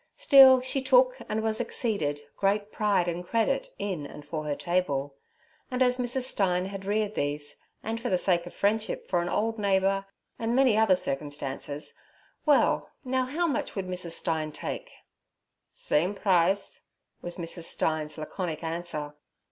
Still, she took, and was acceded, great pride and credit in and for her table; and as Mrs. Stein had reared these; and for the sake of friendship for an old neighbour and many other circumstances—well, now how much would Mrs. Stein take? 'Same prize' was Mrs. Stein's laconic answer.